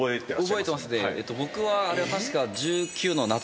僕はあれは確か。